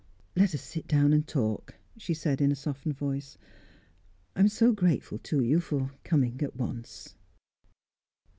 "Let us sit down and talk," she said, in a softened voice. "I am so grateful to you for coming at once."